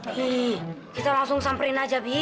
kita langsung samperin aja bi